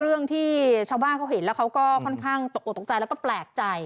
เรื่องที่ชาวบ้านเขาเห็นแล้วเขาก็ค่อนข้างตกออกตกใจแล้วก็แปลกใจ